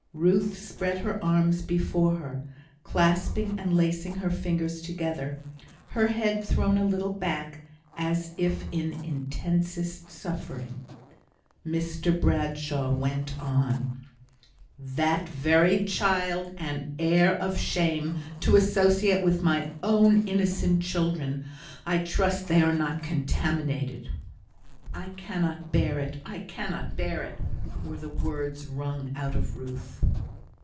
Ruth spread her arms before her, clasping and lacing her fingers together, her head thrown a little back, as if in intensest suffering. Mr Bradshaw went on: "That very child and heir of shame to associate with my own innocent children! I trust they are not contaminated." "I cannot bear it I cannot bear it!" were the words wrung out of Ruth.